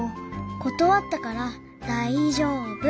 断ったから大丈夫。